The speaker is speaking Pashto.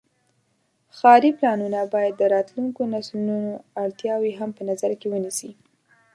ښاري پلانونه باید د راتلونکو نسلونو اړتیاوې هم په نظر کې ونیسي.